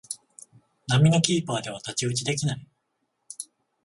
並みのキーパーでは太刀打ちできない